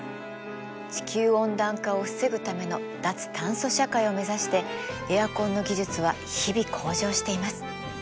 地球温暖化を防ぐための脱炭素社会を目指してエアコンの技術は日々向上しています。